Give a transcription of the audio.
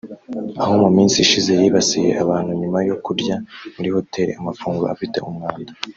aho mu minsi ishize yibasiye abantu nyuma yo kurya muri Hoteli amafunguro afite umwanda